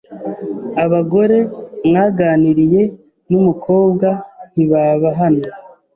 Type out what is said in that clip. Abagore mwaganiriye numukobwa ntibaba hano.